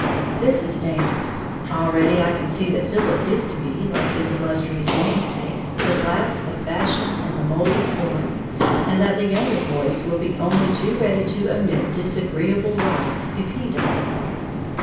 This is dangerous, already I can see that Philip is to be, like his illustrious namesake "the glass of fashion and the mold of form," and that the younger boys, will be only too ready to omit disagreeable rites if he does.